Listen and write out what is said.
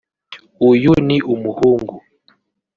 uyu ni umuhungu